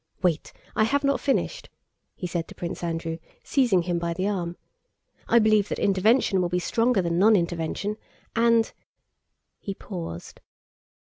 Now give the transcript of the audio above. "Wait, I have not finished..." he said to Prince Andrew, seizing him by the arm, "I believe that intervention will be stronger than nonintervention. And..." he paused.